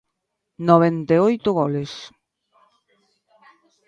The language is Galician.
Noventa e oito goles.